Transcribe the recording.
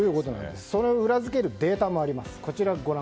それを裏付けるデータもあります。